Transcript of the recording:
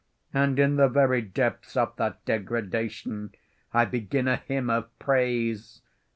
And in the very depths of that degradation I begin a hymn of praise.